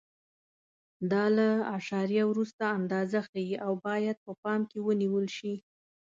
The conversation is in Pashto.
دا له اعشاریه وروسته اندازه ښیي او باید په پام کې ونیول شي.